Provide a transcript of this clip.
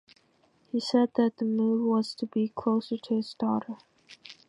He said that the move was to be closer to his daughter.